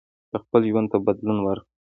که خپل ژوند ته بدلون ورکړئ